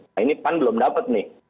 nah ini pan belum dapat nih